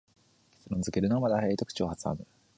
結論づけるのはまだ早いと口をはさむ